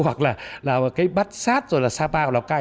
hoặc là bát sát sapa lào cai